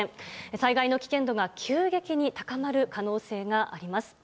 災害の危険度が急激に高まる可能性があります。